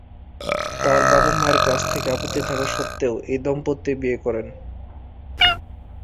তার বাবা -মায়ের কাছ থেকে আপত্তি থাকা সত্ত্বেও এই দম্পতি বিয়ে করেন।